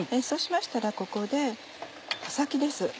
そうしましたらここで葉先です。